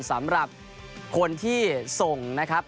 สำหรับคนที่ส่งนะครับ